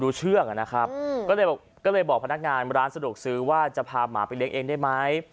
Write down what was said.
ดูเชื่องอะนะครับก็เลยบอกพนักงานร้านสะดวกซื้อว่าจะพาหมาไปเล่นเองได้ไหม